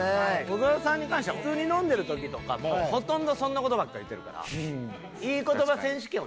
小沢さんに関しては普通に飲んでる時とかもほとんどそんな事ばっか言ってるから。